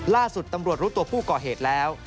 ล่าสุดตำรวจรู้ตัวผู้ก่อเหตุแล้ว